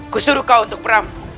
kusuruh kau untuk berampun